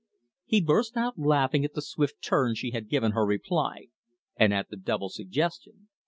He burst out laughing at the swift turn she had given her reply, and at the double suggestion.